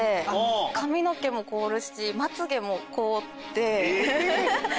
髪の毛も凍るしまつ毛も凍って。